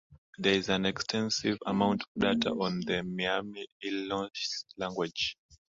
There is an extensive amount of data on the Miami-Illinois language.